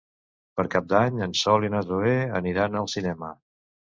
Per Cap d'Any en Sol i na Zoè aniran al cinema.